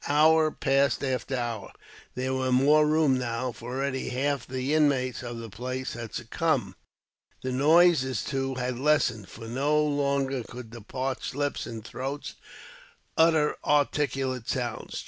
Hour passed after hour. There was more room now, for already half the inmates of the place had succumbed. The noises, too, had lessened, for no longer could the parched lips and throats utter articulate sounds.